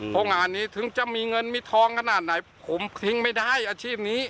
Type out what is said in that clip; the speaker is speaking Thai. เพราะงานนี้ถึงจะมีเงินมีทองขนาดไหนผมทิ้งไม่ได้อาชีพนี้